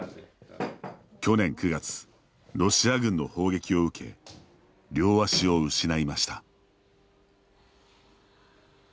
去年９月、ロシア軍の砲撃を受け両足を失いました。